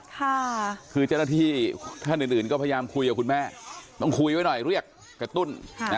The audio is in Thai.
คือเจ้าหน้าที่ท่านอื่นก็พยายามคุยกับคุณแม่ต้องคุยไว้หน่อยเรียกกระตุ้น